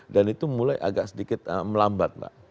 dan itu mulai agak sedikit melambat mbak